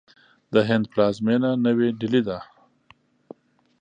د هند پلازمینه نوی ډهلي ده.